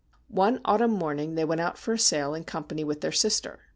One autumn morning they went out for a sail in company with their sister.